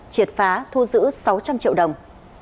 triệt phá thu giữ sáu trăm linh triệu đồng